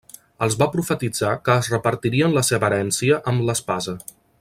Els va profetitzar que es repartirien la seva herència amb l'espasa.